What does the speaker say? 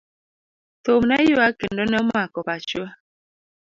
Thum ne yuak kendo ne omako pachwa.